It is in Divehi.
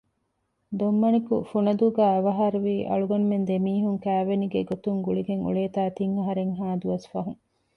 ދޮންމަނިކު ފުނަދޫގައި އަވަހާރަވީ އަޅުގަނޑުމެން ދެ މީހުން ކައިވެނީގެ ގޮތުން ގުޅިގެން އުޅޭތާ ތިން އަހަރެއްހާ ދުވަސް ފަހުން